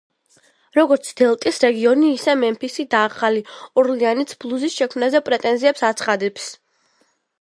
როგორც დელტის რეგიონი, ისე მემფისი და ახალი ორლეანიც ბლუზის შექმნაზე პრეტენზიებს აცხადებს.